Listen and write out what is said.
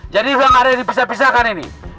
jadi bukan ada yang dipisah pisahkan ini